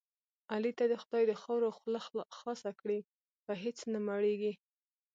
علي ته دې خدای د خاورو خوله خاصه کړي په هېڅ نه مړېږي.